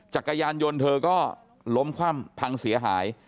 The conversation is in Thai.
จักรยานยนต์เธอก็ล้มคว่ำพังเสียหาย